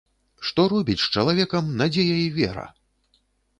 Што робіць з чалавекам надзея і вера!